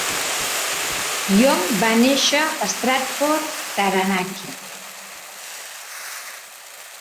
Young va néixer a Stratford, Taranaki.